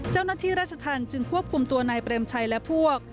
เจ้าหน้าที่ราชธรรมจึงควบคุมตัวนายเปรมชัยและพวก